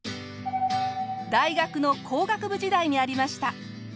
大学の工学部時代にありました。